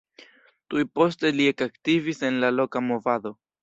Tuj poste li ekaktivis en la loka movado.